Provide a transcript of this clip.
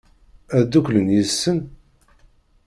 Ad dduklen yid-sen?